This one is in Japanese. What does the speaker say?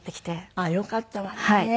ああよかったわね。